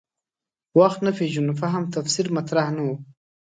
وخت نه پېژنو فهم تفسیر مطرح نه و.